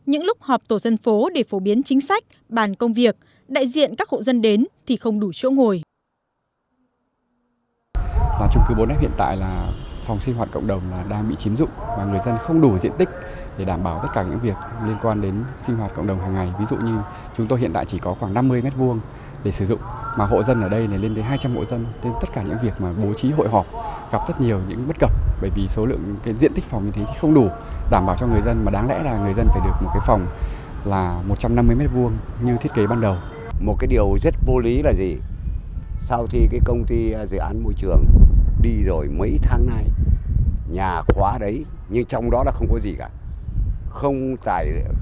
họp tổ dân phố để bầu lại tổ dân phố mới cũng cái nơi chặt trộn như vậy